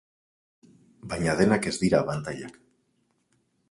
Baina denak ez dira abantailak.